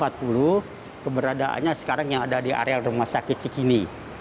keberadaannya sekarang yang ada di areal rumah sakit cikini